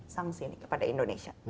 sangsi ini kepada indonesia